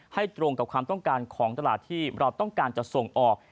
ตรงกับความต้องการของตลาดที่เราต้องการจะส่งออก